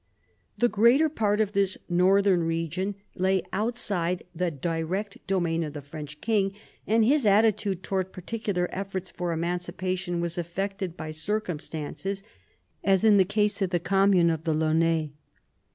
The greater part of this northern region lay outside the direct domain of the French king, and his attitude towards particular efforts for emancipation was affected by circumstances, as in the case of the commune of the Laonnais.